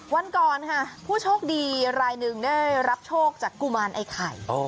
วันก่อนค่ะผู้โชคดีรายหนึ่งได้รับโชคจากกุมารไอ้ไข่